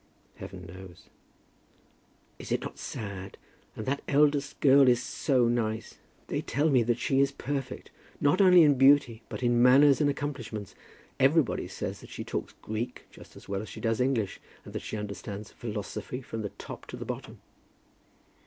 "Heaven knows!" "Is it not sad? And that eldest girl is so nice! They tell me that she is perfect, not only in beauty, but in manners and accomplishments. Everybody says that she talks Greek just as well as she does English, and that she understands philosophy from the top to the bottom."